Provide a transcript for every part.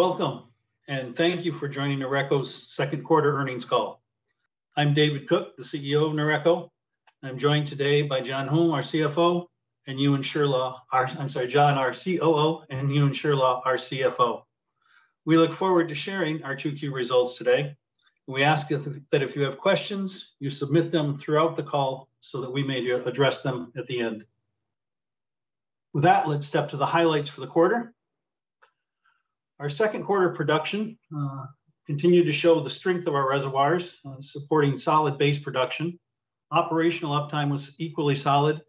Welcome, and thank you for joining Noreco's second quarter earnings call. I'm David Cook, the CEO of Noreco, and I'm joined today by John Hulme, our CFO, and Euan Shirlaw. I'm sorry, John, our COO, and Euan Shirlaw, our CFO. We look forward to sharing our 2Q results today. We ask that if you have questions, you submit them throughout the call so that we may address them at the end. With that, let's step to the highlights for the quarter. Our second quarter production continued to show the strength of our reservoirs, supporting solid base production. Operational uptime was equally solid,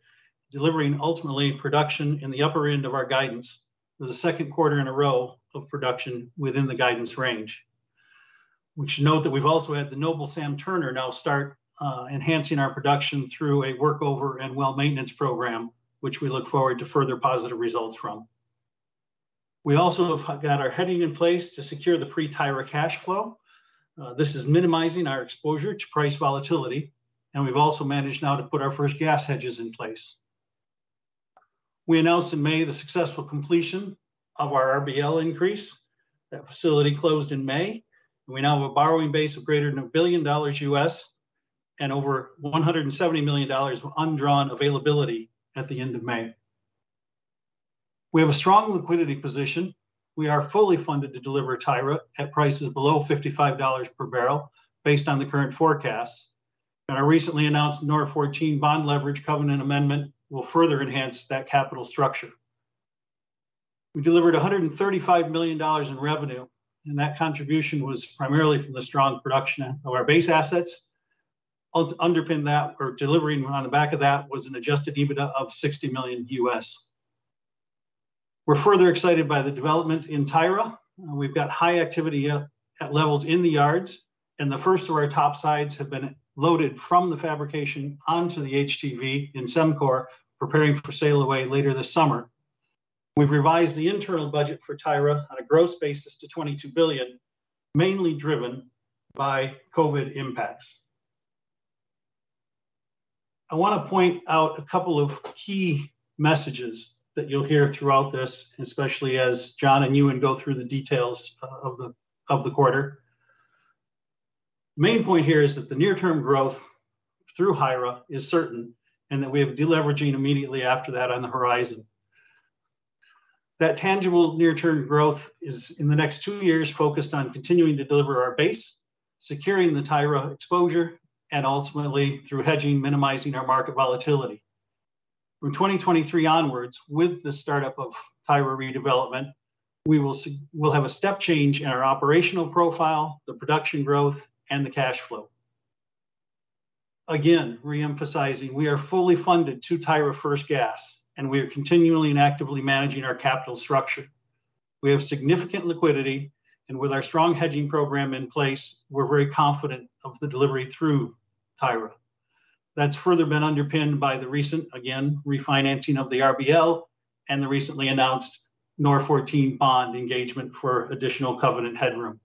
delivering ultimately production in the upper end of our guidance for the second quarter in a row of production within the guidance range. We should note that we've also had the Noble Sam Turner now start enhancing our production through a workover and well maintenance program, which we look forward to further positive results from. We also have got our hedging in place to secure the pre-Tyra cash flow. This is minimizing our exposure to price volatility, and we've also managed now to put our first gas hedges in place. We announced in May the successful completion of our RBL increase. That facility closed in May, and we now have a borrowing base of greater than $1 billion U.S. and over $170 million of undrawn availability at the end of May. We have a strong liquidity position. We are fully funded to deliver Tyra at prices below $55 per barrel based on the current forecast. Our recently announced NOR14 bond leverage covenant amendment will further enhance that capital structure. We delivered $135 million in revenue, and that contribution was primarily from the strong production of our base assets. Delivering on the back of that was an adjusted EBITDA of $60 million. We're further excited by the development in Tyra. We've got high activity at levels in the yards, and the first of our topsides have been loaded from the fabrication onto the HTV in Sembcorp, preparing for sail away later this summer. We've revised the internal budget for Tyra on a gross basis to 22 billion, mainly driven by COVID impacts. I want to point out a couple of key messages that you'll hear throughout this, especially as John and Euan go through the details of the quarter. Main point here is that the near-term growth through Tyra is certain, and that we have de-leveraging immediately after that on the horizon. That tangible near-term growth is in the next two years focused on continuing to deliver our base, securing the Tyra exposure, and ultimately through hedging, minimizing our market volatility. From 2023 onwards, with the startup of Tyra redevelopment, we'll have a step change in our operational profile, the production growth, and the cash flow. Again, re-emphasizing, we are fully funded to Tyra first gas, and we are continually and actively managing our capital structure. We have significant liquidity, and with our strong hedging program in place, we're very confident of the delivery through Tyra. That's further been underpinned by the recent refinancing of the RBL and the recently announced NOR14 bond engagement for additional covenant headroom.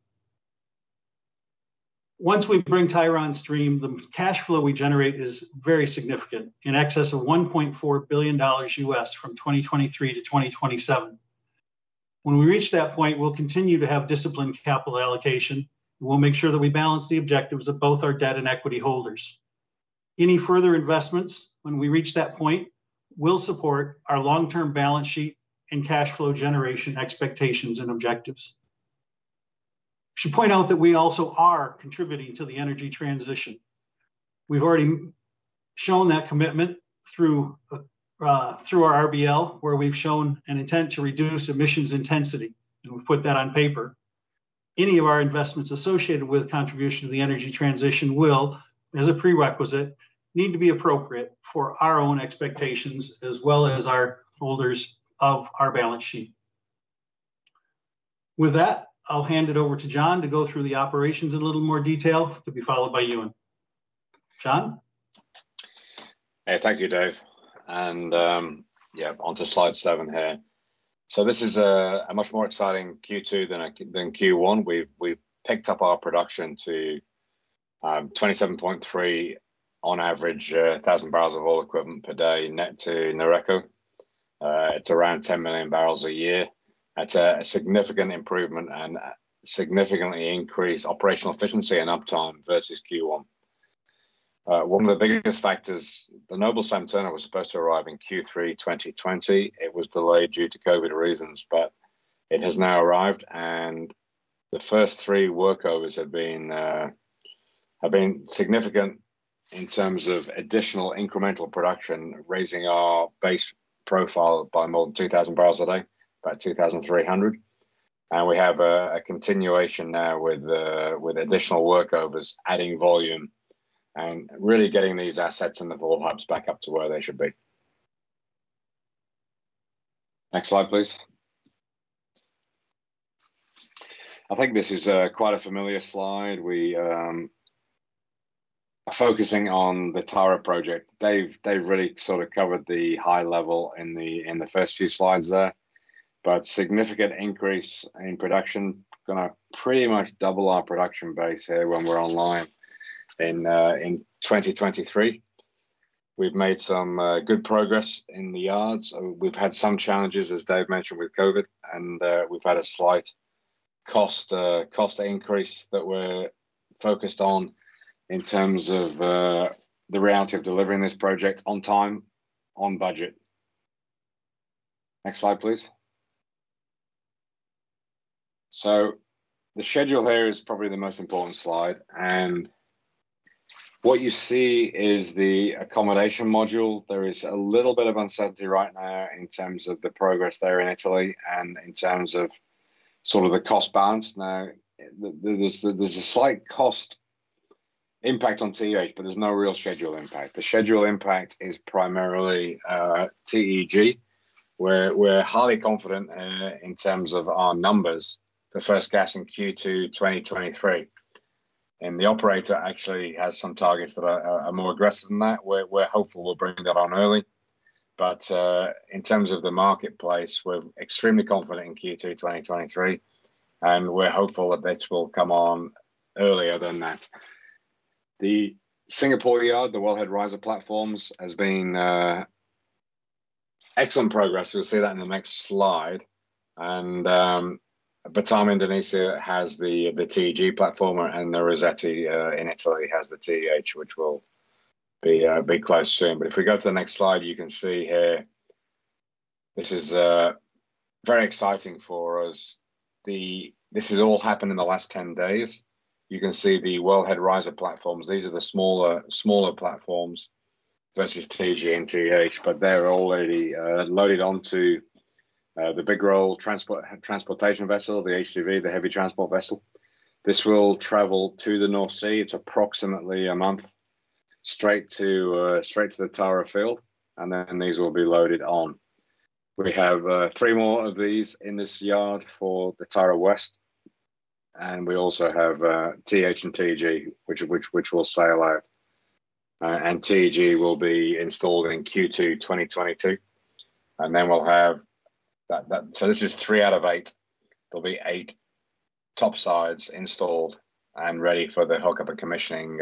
Once we bring Tyra on stream, the cash flow we generate is very significant, in excess of $1.4 billion from 2023 to 2027. When we reach that point, we'll continue to have disciplined capital allocation, and we'll make sure that we balance the objectives of both our debt and equity holders. Any further investments when we reach that point will support our long-term balance sheet and cash flow generation expectations and objectives. I should point out that we also are contributing to the energy transition. We've already shown that commitment through our RBL, where we've shown an intent to reduce emissions intensity, and we've put that on paper. Any of our investments associated with contribution to the energy transition will, as a prerequisite, need to be appropriate for our own expectations as well as our holders of our balance sheet. With that, I'll hand it over to John to go through the operations in a little more detail, to be followed by Euan. John? Thank you, Dave. Onto slide seven here. This is a much more exciting Q2 than Q1. We've picked up our production to 27.3 thousand barrels of oil equivalent per day net to Noreco. It's around 10 million barrels a year. That's a significant improvement and significantly increased operational efficiency and uptime versus Q1. One of the biggest factors, the Noble Sam Turner was supposed to arrive in Q3 2020. It was delayed due to COVID reasons, it has now arrived, and the first three workovers have been significant in terms of additional incremental production, raising our base profile by more than 2,000 barrels a day, about 2,300. We have a continuation now with additional workovers adding volume and really getting these assets and the volume back up to where they should be. Next slide, please. I think this is quite a familiar slide. We are focusing on the Tyra project. Dave really sort of covered the high level in the first few slides there. Significant increase in production. Going to pretty much double our production base here when we're online in 2023. We've made some good progress in the yards, and we've had some challenges, as Dave mentioned, with COVID, and we've had a slight cost increase that we're focused on in terms of the reality of delivering this project on time, on budget. Next slide, please. The schedule here is probably the most important slide, and what you see is the accommodation module. There is a little bit of uncertainty right now in terms of the progress there in Italy and in terms of some of the cost bands. There's a slight cost impact on TH, but there's no real schedule impact. The schedule impact is primarily TEG. We're highly confident in terms of our numbers, the first gas in Q2 2023. The operator actually has some targets that are more aggressive than that. We're hopeful we're bringing that on early. In terms of the marketplace, we're extremely confident in Q2 2023, and we're hopeful that this will come on earlier than that. The Singapore yard, the wellhead riser platforms, has been excellent progress. We'll see that in the next slide. Batam, Indonesia has the TEG platform, and Rosetti in Italy has the TH which will be close soon. If we go to the next slide, you can see here, this is very exciting for us. This has all happened in the last 10 days. You can see the wellhead riser platforms. These are the smaller platforms versus TG and TH. They're already loaded onto the BigRoll transportation vessel, the HTV, the heavy transport vessel. This will travel to the North Sea. It's approximately a month straight to the Tyra field, and then these will be loaded on. We have three more of these in this yard for the Tyra West, and we also have TH and TG, which will sail out, and TEG will be installed in Q2 2022. This is three out of eight. There'll be eight top sides installed and ready for the hook-up and commissioning,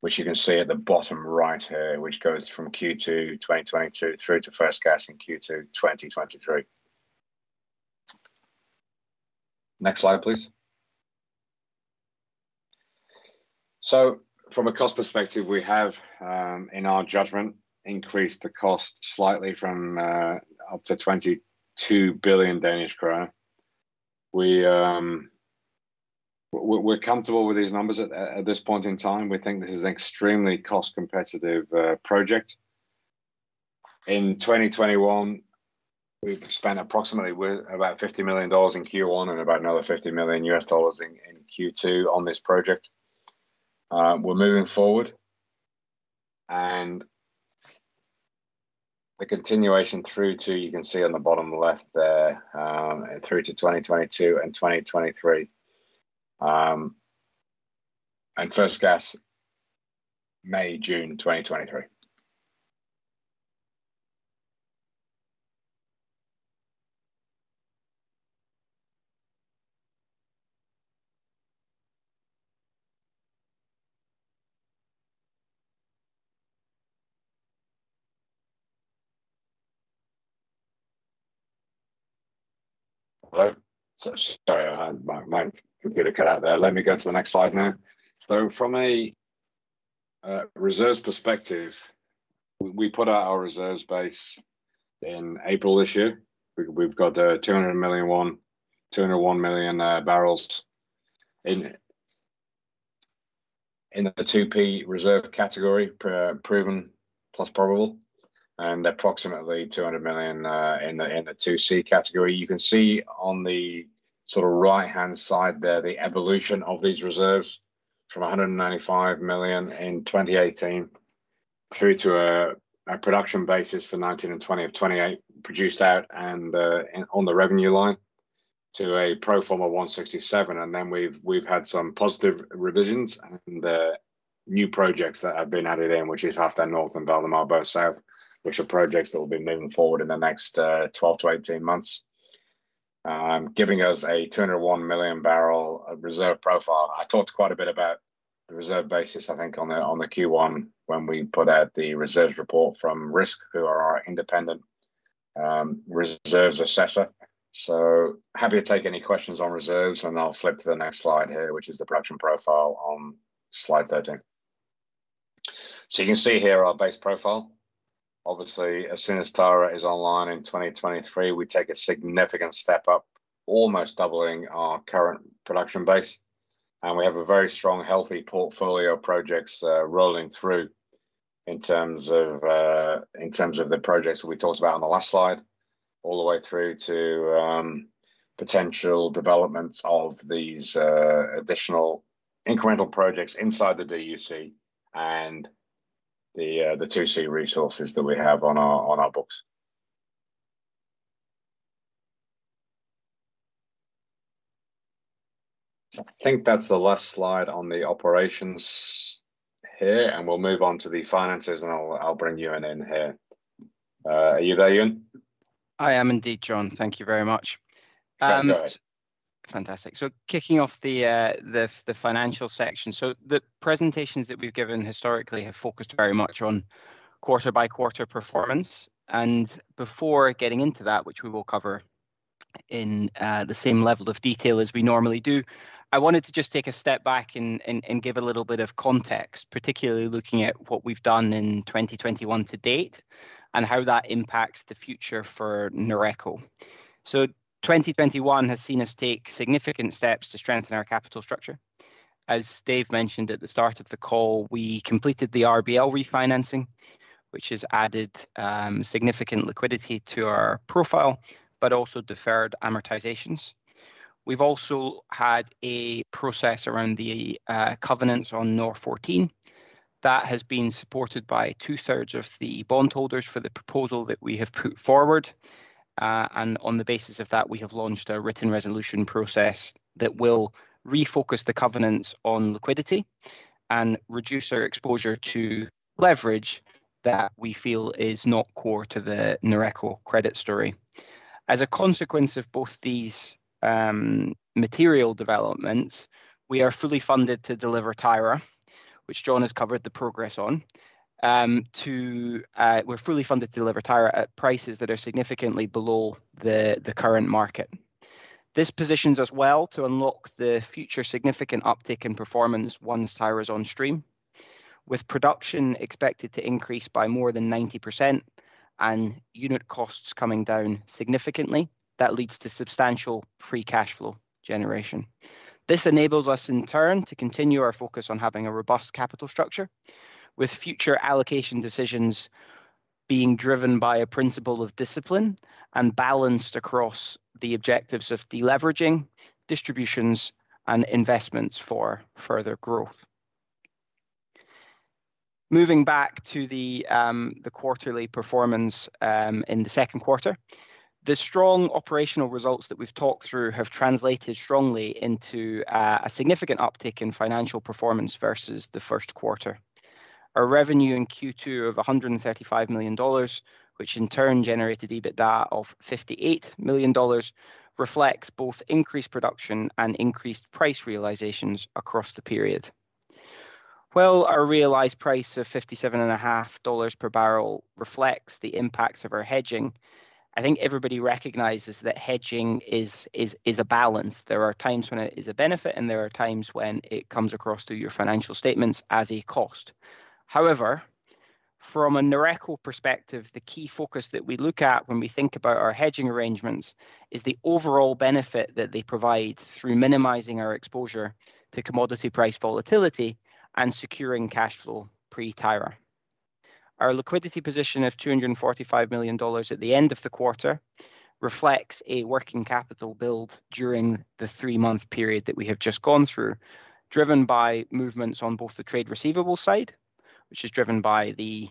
which you can see at the bottom right here, which goes from Q2 2022 through to first gas in Q2 2023. Next slide, please. From a cost perspective, we have, in our judgment, increased the cost slightly from up to 22 billion Danish krone. We're comfortable with these numbers at this point in time. We think this is an extremely cost-competitive project. In 2021, we've spent approximately about $50 million in Q1 and about another $50 million in Q2 on this project. We're moving forward, the continuation through to, you can see on the bottom left there, through to 2022 and 2023. First gas May, June 2023. Hello? Sorry, my computer cut out there. Let me go to the next slide now. From a reserves perspective, we put out our reserves base in April this year. We've got 201 million barrels in the 2P reserve category, proven plus probable, and approximately 200 million in the 2C category. You can see on the right-hand side there the evolution of these reserves from 195 million in 2018 through to a production basis for 19 and 20 at 28 produced out and on the revenue line to a pro forma 167. We've had some positive revisions in the new projects that have been added in, which is Halfdan North and Valdemar Bo South, which are projects that will be moving forward in the next 12 to 18 months, giving us a 201 million barrel reserve profile. I talked quite a bit about the reserve basis, I think, on the Q1 when we put out the reserves report from RISC, who are our independent reserves assessor. Happy to take any questions on reserves, and I'll flip to the next slide here, which is the production profile on slide 13. Obviously, as soon as Tyra is online in 2023, we take a significant step up, almost doubling our current production base. We have a very strong, healthy portfolio of projects rolling through in terms of the projects that we talked about on the last slide, all the way through to potential developments of these additional incremental projects inside the DUC and the 2C resources that we have on our books. I think that's the last slide on the operations here, and we'll move on to the finances, and I'll bring you in here. Are you there, Euan? I am indeed, John. Thank you very much. Okay. Fantastic. Kicking off the financial section. The presentations that we've given historically have focused very much on quarter-by-quarter performance. Before getting into that, which we will cover in the same level of detail as we normally do, I wanted to just take a step back and give a little bit of context, particularly looking at what we've done in 2021 to date and how that impacts the future for Noreco. 2021 has seen us take significant steps to strengthen our capital structure. As David mentioned at the start of the call, we completed the RBL refinancing, which has added significant liquidity to our profile, but also deferred amortizations. We've also had a process around the covenants on NOR14 that has been supported by two-thirds of the bondholders for the proposal that we have put forward. On the basis of that, we have launched a written resolution process that will refocus the covenants on liquidity and reduce our exposure to leverage that we feel is not core to the Noreco credit story. As a consequence of both these material developments, we are fully funded to deliver Tyra, which John has covered the progress on. We're fully funded to deliver Tyra at prices that are significantly below the current market. This positions us well to unlock the future significant uptick in performance once Tyra's on stream, with production expected to increase by more than 90% and unit costs coming down significantly. That leads to substantial free cash flow generation. This enables us in turn to continue our focus on having a robust capital structure, with future allocation decisions being driven by a principle of discipline and balanced across the objectives of deleveraging distributions and investments for further growth. Moving back to the quarterly performance in the second quarter, the strong operational results that we've talked through have translated strongly into a significant uptick in financial performance versus the first quarter. Our revenue in Q2 of $135 million, which in turn generated EBITDA of $58 million, reflects both increased production and increased price realizations across the period. While our realized price of $57.50 per barrel reflects the impacts of our hedging, I think everybody recognizes that hedging is a balance. There are times when it is a benefit, and there are times when it comes across through your financial statements as a cost. However, from a Noreco perspective, the key focus that we look at when we think about our hedging arrangements is the overall benefit that they provide through minimizing our exposure to commodity price volatility and securing cash flow pre-Tyra. Our liquidity position of $245 million at the end of the quarter reflects a working capital build during the three-month period that we have just gone through, driven by movements on both the trade receivables side, which is driven by the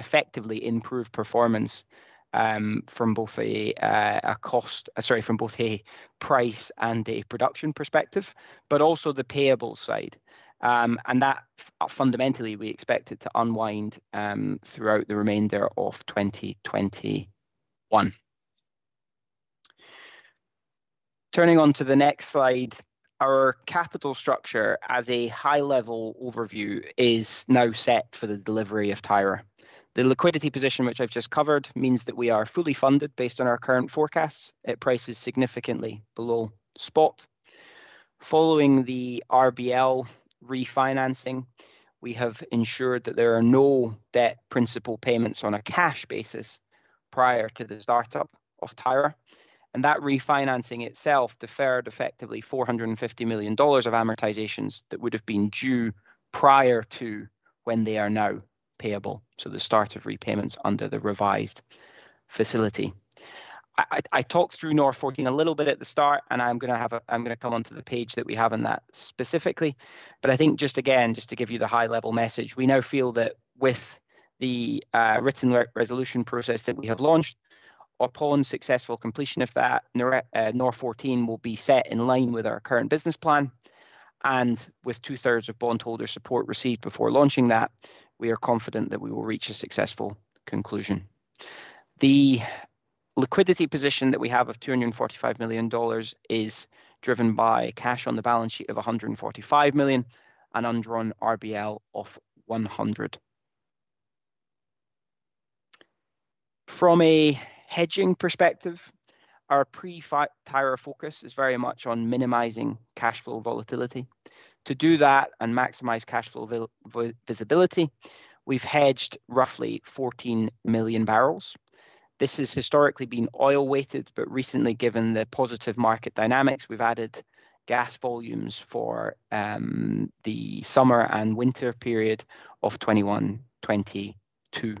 effectively improved performance from both a price and a production perspective, but also the payable side. That fundamentally we expect it to unwind throughout the remainder of 2021. Turning on to the next slide. Our capital structure as a high-level overview is now set for the delivery of Tyra. The liquidity position, which I've just covered, means that we are fully funded based on our current forecasts at prices significantly below spot. Following the RBL refinancing, we have ensured that there are no debt principal payments on a cash basis prior to the start-up of Tyra, and that refinancing itself deferred effectively $450 million of amortizations that would have been due prior to when they are now payable, so the start of repayments under the revised facility. I talked through NOR14 a little bit at the start, and I'm going to come onto the page that we have on that specifically. I think just again, just to give you the high-level message, we now feel that with the written resolution process that we have launched, upon successful completion of that, NOR14 will be set in line with our current business plan. With two-thirds of bondholder support received before launching that, we are confident that we will reach a successful conclusion. The liquidity position that we have of $245 million is driven by cash on the balance sheet of $145 million and undrawn RBL of $100 million. From a hedging perspective, our pre-Tyra focus is very much on minimizing cash flow volatility. To do that and maximize cash flow visibility, we've hedged roughly 14 million barrels. This has historically been oil weighted, recently given the positive market dynamics, we've added gas volumes for the summer and winter period of 2021, 2022.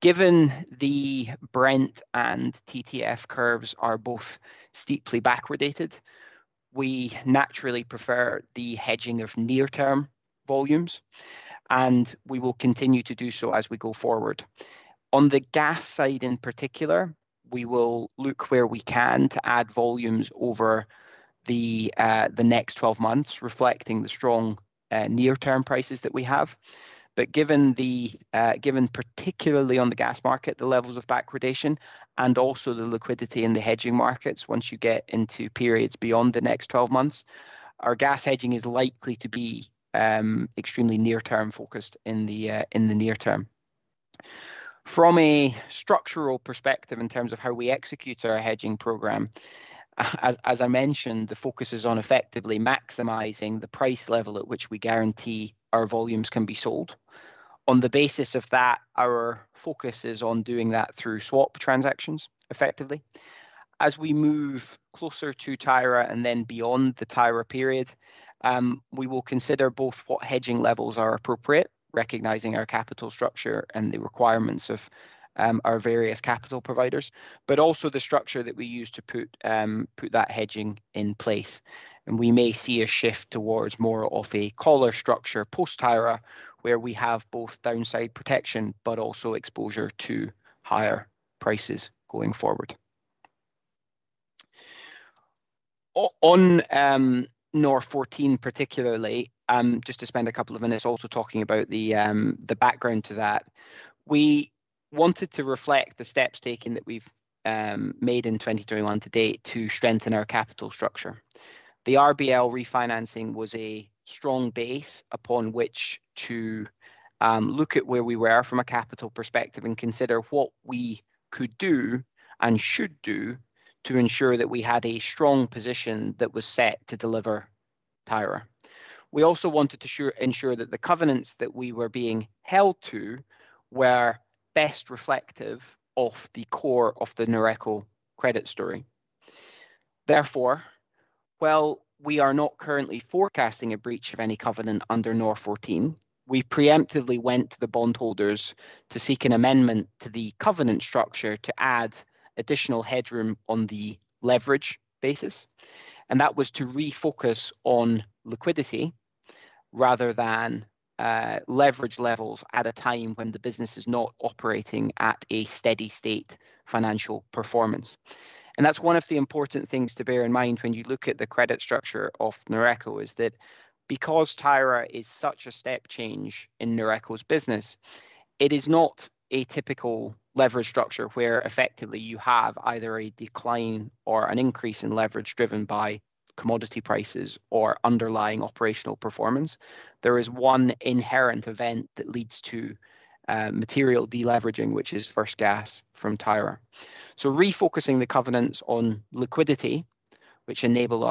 Given the Brent and TTF curves are both steeply backwardated, we naturally prefer the hedging of near-term volumes, we will continue to do so as we go forward. On the gas side in particular, we will look where we can to add volumes over the next 12 months, reflecting the strong near-term prices that we have. Given particularly on the gas market, the levels of backwardation and also the liquidity in the hedging markets, once you get into periods beyond the next 12 months, our gas hedging is likely to be extremely near term focused in the near term. From a structural perspective in terms of how we execute our hedging program, as I mentioned, the focus is on effectively maximizing the price level at which we guarantee our volumes can be sold. On the basis of that, our focus is on doing that through swap transactions effectively. As we move closer to Tyra and then beyond the Tyra period, we will consider both what hedging levels are appropriate, recognizing our capital structure and the requirements of our various capital providers, but also the structure that we use to put that hedging in place. We may see a shift towards more of a collar structure post Tyra, where we have both downside protection, but also exposure to higher prices going forward. On NOR14 particularly, just to spend a couple of minutes also talking about the background to that. We wanted to reflect the steps taken that we've made in 2021 to date to strengthen our capital structure. The RBL refinancing was a strong base upon which to look at where we were from a capital perspective and consider what we could do and should do to ensure that we had a strong position that was set to deliver Tyra. We also wanted to ensure that the covenants that we were being held to were best reflective of the core of the Noreco credit story. Therefore, while we are not currently forecasting a breach of any covenant under NOR14, we preemptively went to the bondholders to seek an amendment to the covenant structure to add additional headroom on the leverage basis, and that was to refocus on liquidity rather than leverage levels at a time when the business is not operating at a steady state financial performance. That's one of the important things to bear in mind when you look at the credit structure of Noreco, is that because Tyra is such a step change in Noreco's business, it is not a typical leverage structure where effectively you have either a decline or an increase in leverage driven by commodity prices or underlying operational performance. There is one inherent event that leads to material deleveraging, which is first gas from Tyra. Refocusing the covenants on liquidity, which enables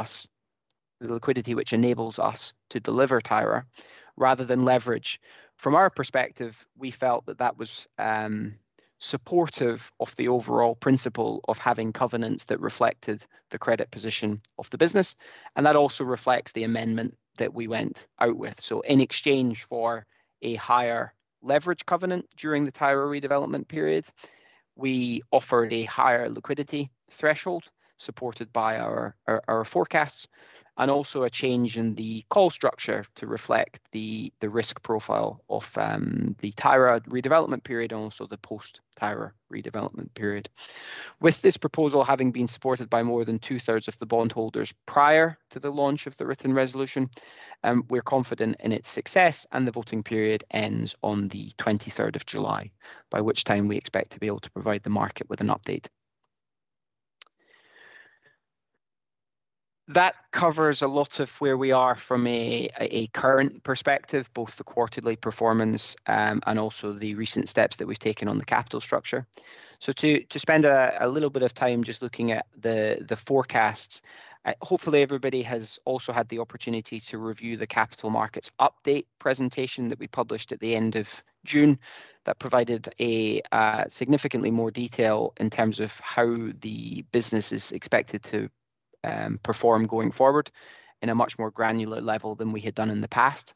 us to deliver Tyra rather than leverage. From our perspective, we felt that that was supportive of the overall principle of having covenants that reflected the credit position of the business, and that also reflects the amendment that we went out with. In exchange for a higher leverage covenant during the Tyra redevelopment period, we offered a higher liquidity threshold supported by our forecasts, and also a change in the call structure to reflect the risk profile of the Tyra redevelopment period and also the post Tyra redevelopment period. With this proposal having been supported by more than two-thirds of the bondholders prior to the launch of the written resolution, we're confident in its success, and the voting period ends on the 23rd of July, by which time we expect to be able to provide the market with an update. That covers a lot of where we are from a current perspective, both the quarterly performance and also the recent steps that we've taken on the capital structure. To spend a little bit of time just looking at the forecast. Hopefully, everybody has also had the opportunity to review the capital markets update presentation that we published at the end of June that provided significantly more detail in terms of how the business is expected to perform going forward in a much more granular level than we had done in the past.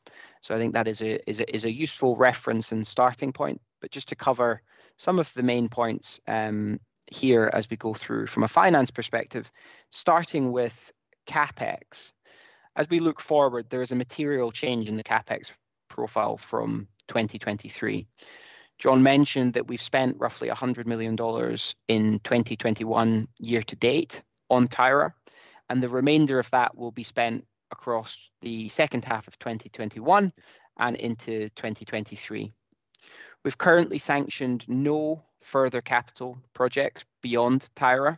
I think that is a useful reference and starting point. Just to cover some of the main points here as we go through from a finance perspective, starting with CapEx. As we look forward, there is a material change in the CapEx profile from 2023. John mentioned that we've spent roughly $100 million in 2021 year to date on Tyra, and the remainder of that will be spent across the second half of 2021 and into 2023. We've currently sanctioned no further capital projects beyond Tyra,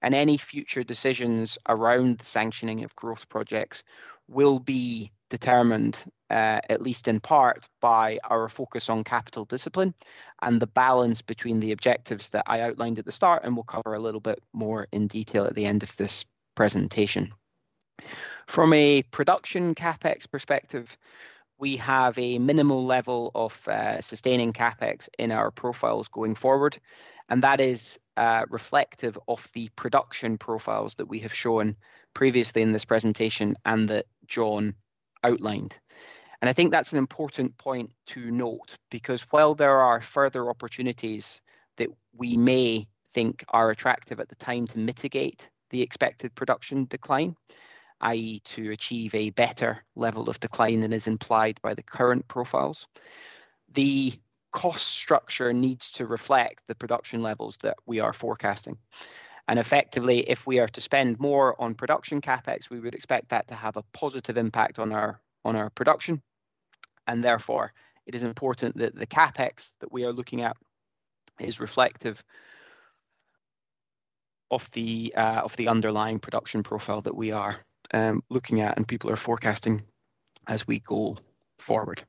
and any future decisions around the sanctioning of growth projects will be determined, at least in part, by our focus on capital discipline and the balance between the objectives that I outlined at the start, and we'll cover a little bit more in detail at the end of this presentation. From a production CapEx perspective, we have a minimal level of sustaining CapEx in our profiles going forward, and that is reflective of the production profiles that we have shown previously in this presentation and that John outlined. I think that's an important point to note, because while there are further opportunities that we may think are attractive at the time to mitigate the expected production decline, i.e., to achieve a better level of decline than is implied by the current profiles. The cost structure needs to reflect the production levels that we are forecasting. Effectively, if we are to spend more on production CapEx, we would expect that to have a positive impact on our production. Therefore, it is important that the CapEx that we are looking at is reflective of the underlying production profile that we are looking at and people are forecasting as we go forward.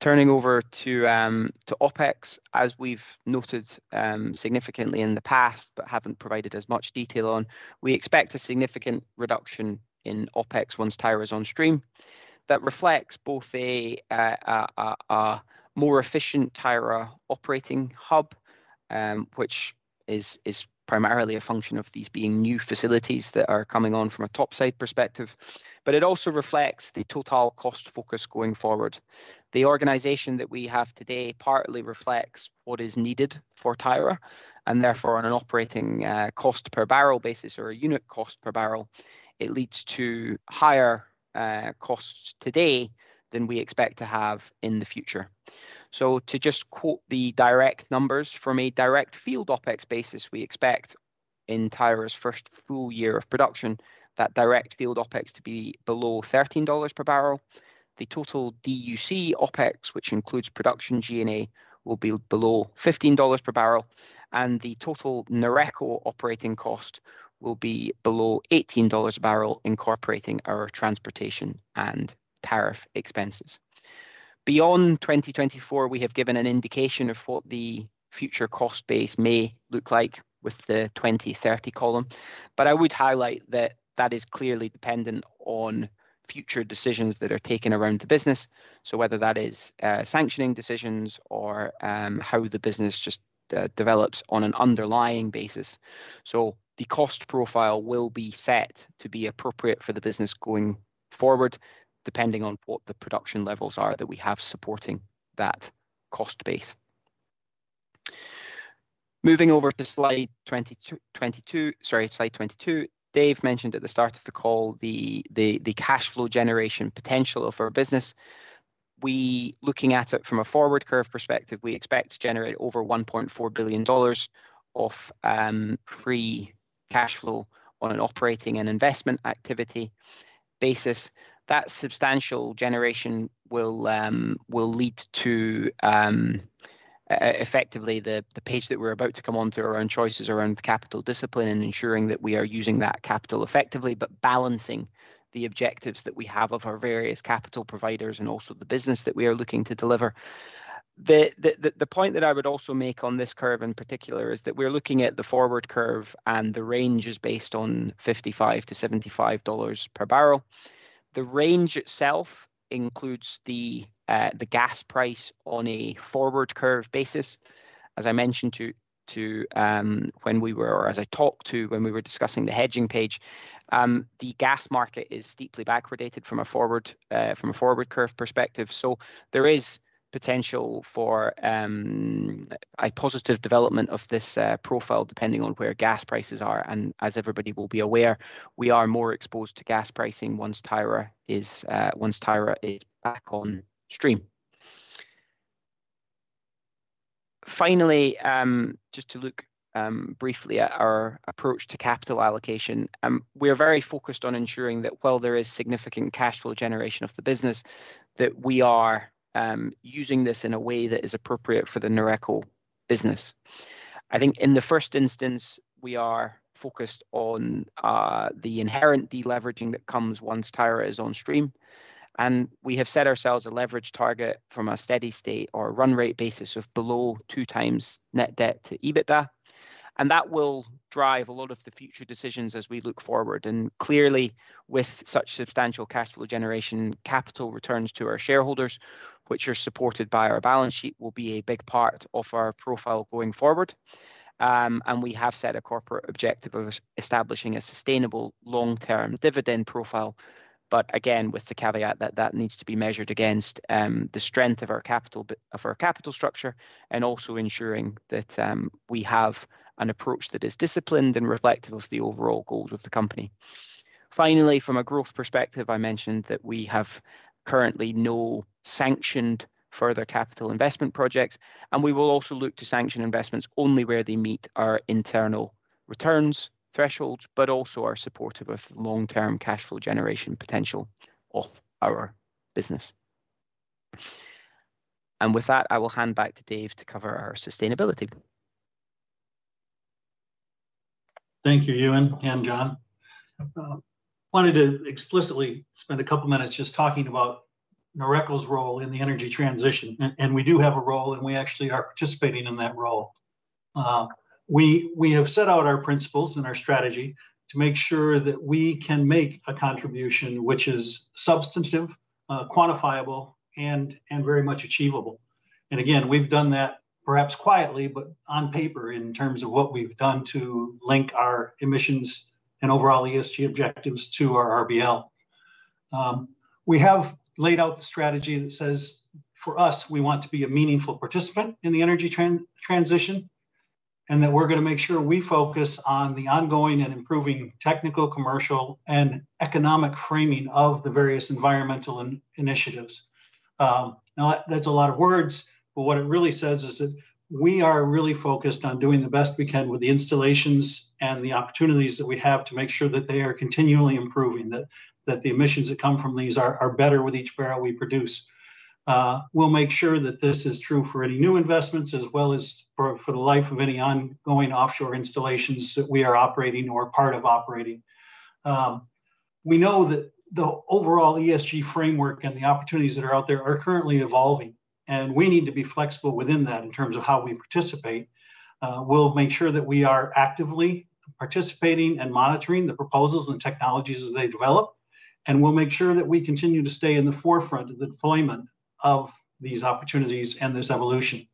Turning over to opex, as we've noted significantly in the past but haven't provided as much detail on, we expect a significant reduction in opex once Tyra's on stream. That reflects both a more efficient Tyra operating hub, which is primarily a function of these being new facilities that are coming on from a topsides perspective. It also reflects the total cost focus going forward. The organization that we have today partly reflects what is needed for Tyra, therefore on an operating cost per barrel basis or a unit cost per barrel, it leads to higher costs today than we expect to have in the future. To just quote the direct numbers, from a direct field opex basis, we expect in Tyra's first full year of production that direct field opex to be below $13 per barrel. The total DUC opex, which includes production G&A, will be below $15 per barrel. The total Noreco operating cost will be below $18 a barrel, incorporating our transportation and tariff expenses. Beyond 2024, we have given an indication of what the future cost base may look like with the 2030 column. I would highlight that that is clearly dependent on future decisions that are taken around the business. Whether that is sanctioning decisions or how the business just develops on an underlying basis. The cost profile will be set to be appropriate for the business going forward, depending on what the production levels are that we have supporting that cost base. Moving over to slide 22, Dave mentioned at the start of the call the cash flow generation potential of our business. Looking at it from a forward curve perspective, we expect to generate over $1.4 billion of free cash flow on an operating and investment activity basis. That substantial generation will lead to effectively the pace that we're about to come on through our own choices around capital discipline and ensuring that we are using that capital effectively, but balancing the objectives that we have of our various capital providers and also the business that we are looking to deliver. The point that I would also make on this curve in particular is that we're looking at the forward curve, and the range is based on $55-$75 per barrel. The range itself includes the gas price on a forward curve basis. As I mentioned to you, or as I talked to you when we were discussing the hedging page, the gas market is deeply backwardated from a forward curve perspective. There is potential for a positive development of this profile depending on where gas prices are. As everybody will be aware, we are more exposed to gas pricing once Tyra is back on stream. Just to look briefly at our approach to capital allocation. We're very focused on ensuring that while there is significant cash flow generation of the business, that we are using this in a way that is appropriate for the Noreco business. I think in the first instance, we are focused on the inherent deleveraging that comes once Tyra is on stream, and we have set ourselves a leverage target from a steady state or a run rate basis of below 2x net debt to EBITDA, and that will drive a lot of the future decisions as we look forward. Clearly, with such substantial cash flow generation, capital returns to our shareholders, which are supported by our balance sheet will be a big part of our profile going forward. We have set a corporate objective of establishing a sustainable long-term dividend profile, but again, with the caveat that that needs to be measured against the strength of our capital structure and also ensuring that we have an approach that is disciplined and reflective of the overall goals of the company. Finally, from a growth perspective, I mentioned that we have currently no sanctioned further capital investment projects, and we will also look to sanction investments only where they meet our internal returns thresholds but also are supportive of the long-term cash flow generation potential of our business. With that, I will hand back to David Cook to cover our sustainability. Thank you, Euan and John. I wanted to explicitly spend a couple of minutes just talking about Noreco's role in the energy transition. We do have a role, and we actually are participating in that role. We have set out our principles and our strategy to make sure that we can make a contribution which is substantive, quantifiable, and very much achievable. Again, we've done that perhaps quietly, but on paper in terms of what we've done to link our emissions and overall ESG objectives to our RBL. We have laid out the strategy that says for us, we want to be a meaningful participant in the energy transition. We're going to make sure we focus on the ongoing and improving technical, commercial, and economic framing of the various environmental initiatives. That's a lot of words, but what it really says is that we are really focused on doing the best we can with the installations and the opportunities that we have to make sure that they are continually improving, that the emissions that come from these are better with each barrel we produce. We'll make sure that this is true for any new investments as well as for the life of any ongoing offshore installations that we are operating or part of operating. We know that the overall ESG framework and the opportunities that are out there are currently evolving, and we need to be flexible within that in terms of how we participate. We'll make sure that we are actively participating and monitoring the proposals and technologies as they develop, and we'll make sure that we continue to stay in the forefront of the deployment of these opportunities and this evolution.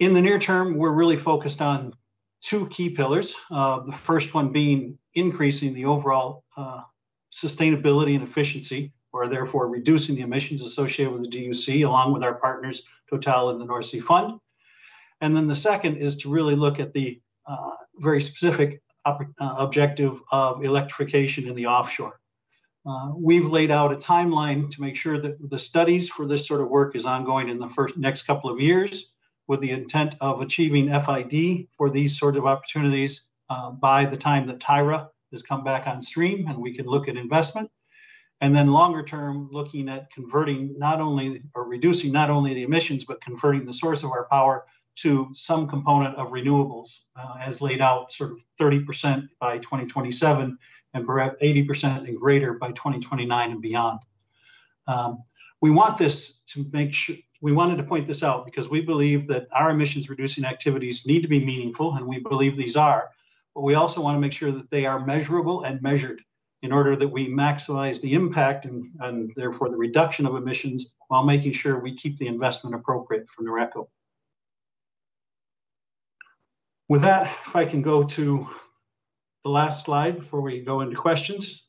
In the near term, we're really focused on two key pillars. The first one being increasing the overall sustainability and efficiency, or therefore reducing the emissions associated with the DUC, along with our partners Total and the Nordsøfonden. The second is to really look at the very specific objective of electrification in the offshore. We've laid out a timeline to make sure that the studies for this sort of work is ongoing in the next couple of years with the intent of achieving FID for these sort of opportunities by the time that Tyra has come back on stream and we can look at investment. Then longer term, looking at reducing not only the emissions, but converting the source of our power to some component of renewables as laid out sort of 30% by 2027, and 80% and greater by 2029 and beyond. We wanted to point this out because we believe that our emissions-reducing activities need to be meaningful, and we believe these are. We also want to make sure that they are measurable and measured in order that we maximize the impact and therefore the reduction of emissions while making sure we keep the investment appropriate for Noreco. With that, if I can go to the last slide before we go into questions.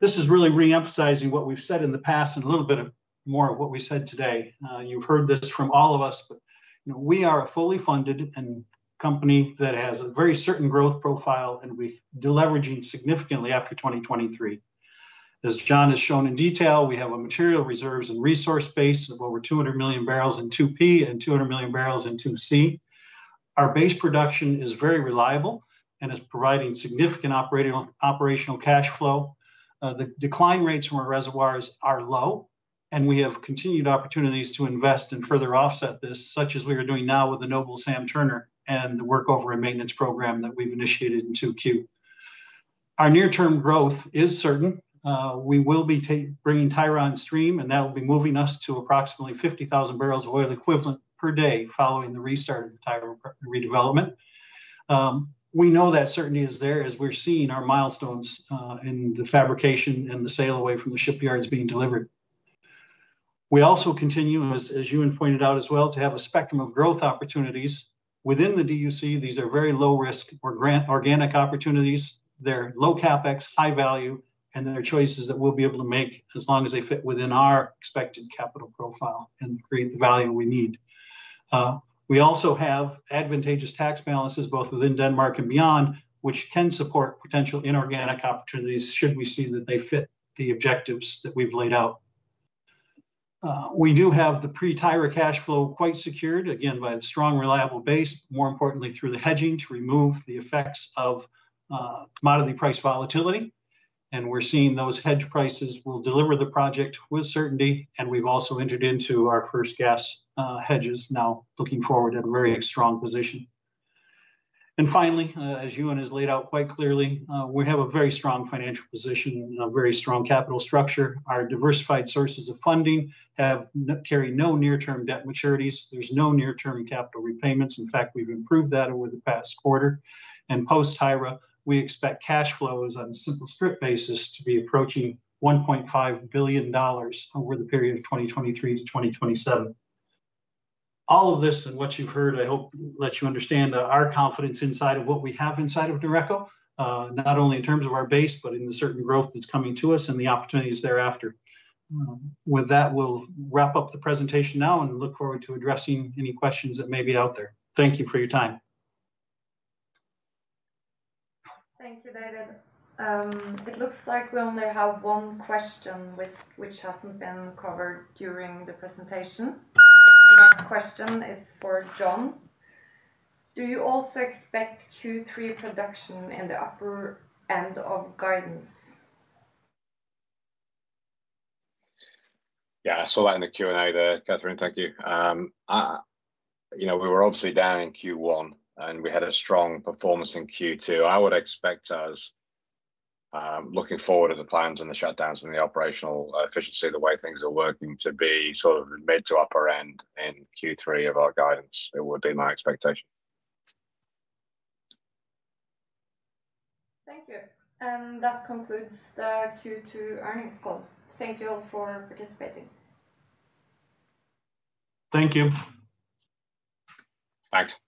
This is really re-emphasizing what we've said in the past and a little bit more of what we said today. You've heard this from all of us, but we are a fully funded company that has a very certain growth profile, and we are deleveraging significantly after 2023. As John has shown in detail, we have material reserves and resource base of over 200 million barrels in 2P and 200 million barrels in 2C. Our base production is very reliable and is providing significant operational cash flow. The decline rates from our reservoirs are low, and we have continued opportunities to invest and further offset this, such as we are doing now with the Noble Sam Turner and the workover and maintenance program that we've initiated in 2Q. Our near-term growth is certain. We will be bringing Tyra on stream, and that will be moving us to approximately 50,000 barrels of oil equivalent per day following the restart of Tyra redevelopment. We know that certainty is there as we're seeing our milestones in the fabrication and the sail away from shipyards being delivered. We also continue, as Euan pointed out as well, to have a spectrum of growth opportunities within the DUC. These are very low risk, organic opportunities. They're low CapEx, high value, and they're choices that we'll be able to make as long as they fit within our expected capital profile and create the value we need. We also have advantageous tax balances both within Denmark and beyond, which can support potential inorganic opportunities should we see that they fit the objectives that we've laid out. We do have the pre-Tyra cash flow quite secured, again, by the strong, reliable base, more importantly, through the hedging to remove the effects of commodity price volatility. We're seeing those hedge prices will deliver the project with certainty, and we've also entered into our first gas hedges now looking forward at a very strong position. Finally, as Euan has laid out quite clearly, we have a very strong financial position and a very strong capital structure. Our diversified sources of funding carry no near-term debt maturities. There's no near-term capital repayments. In fact, we've improved that over the past quarter. Post-Tyra, we expect cash flows on a simple strip basis to be approaching $1.5 billion over the period of 2023 to 2027. All of this and what you've heard, I hope lets you understand our confidence inside of what we have inside of Noreco, not only in terms of our base, but in the certain growth that's coming to us and the opportunities thereafter. With that, we'll wrap up the presentation now and look forward to addressing any questions that may be out there. Thank you for your time. Thank you, David. It looks like we only have one question which hasn't been covered during the presentation. The question is for John. Do you also expect Q3 production in the upper end of guidance? Yeah, I saw that in the Q&A there, Cathrine. Thank you. We were obviously down in Q1, and we had a strong performance in Q2. I would expect us, looking forward at the plans and the shutdowns and the operational efficiency, the way things are working to be sort of mid to upper end in Q3 of our guidance. It would be my expectation. Thank you. That concludes the Q2 earnings call. Thank you all for participating. Thank you. Thanks.